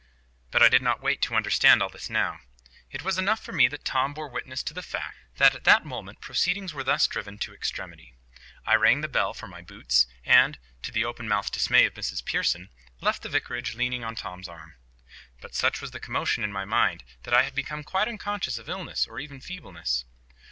But I did not wait to understand all this now. It was enough for me that Tom bore witness to the fact that at that moment proceedings were thus driven to extremity. I rang the bell for my boots, and, to the open mouthed dismay of Mrs Pearson, left the vicarage leaning on Tom's arm. But such was the commotion in my mind, that I had become quite unconscious of illness or even feebleness.